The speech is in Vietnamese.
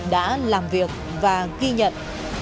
đã làm việc và ghi nhận